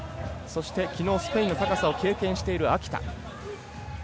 きのうスペインの高さを経験している秋田。